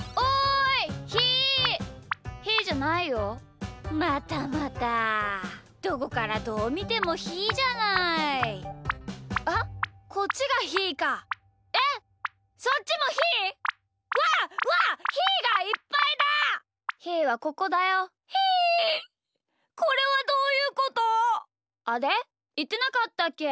いってなかったっけ？